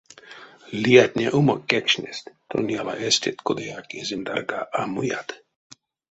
Лиятне умок кекшнесть, тон яла эстеть кодаяк эзем-тарка а муят.